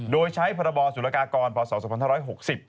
โดยใช้พรบสุรกากรพศ๒๕๖๐